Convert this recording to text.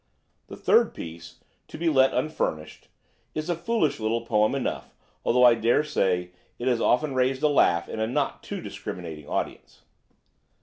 The third piece, 'To be Let, Unfurnished,' is a foolish little poem enough, although I dare say it has often raised a laugh in a not too discriminating audience.